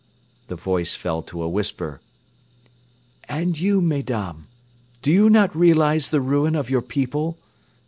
The voice fell to a whisper. "And you, Mesdames, do you not realize the ruin of your people?